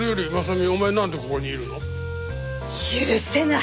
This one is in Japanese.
許せない！